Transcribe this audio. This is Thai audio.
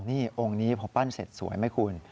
นี่องค์นี้พอปั้นเสร็จสวยไหมคุณ